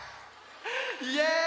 イエーイ！